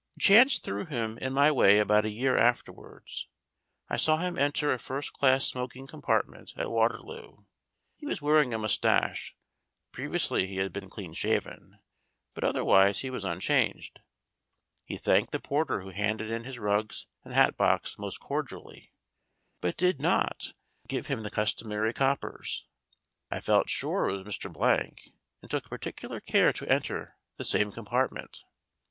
Chance threw him in my way about a year after wards. I saw him enter a first class smoking compart ment at Waterloo. He was wearing a moustache previously he had been clean shaven but otherwise he was unchanged. He thanked the porter who handed in his rugs and hat box most cordially, but did not give 196 STORIES WITHOUT TEARS him the customary coppers. I felt sure it was Mr. Blank, and took particular care to enter the same com partment.